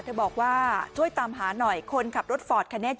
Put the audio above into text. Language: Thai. บอกว่าช่วยตามหาหน่อยคนขับรถฟอร์ดคันนี้